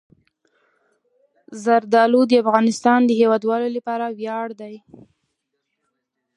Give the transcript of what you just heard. زردالو د افغانستان د هیوادوالو لپاره ویاړ دی.